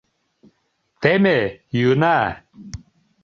— Теме, йӱына!